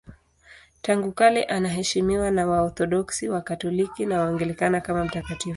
Tangu kale anaheshimiwa na Waorthodoksi, Wakatoliki na Waanglikana kama mtakatifu.